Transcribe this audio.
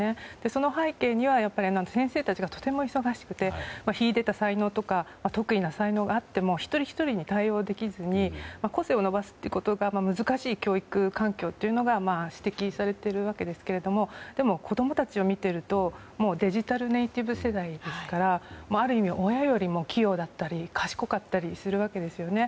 その背景には先生たちがとても忙しくて、秀でた才能とか得意な才能があっても一人ひとりに対応できずに個性を伸ばすということが難しい教育環境が指摘されているわけですけどもでも、子供たちを見ているとデジタルネイティブ世代ですからある意味、親よりも器用だったり賢かったりするわけですよね。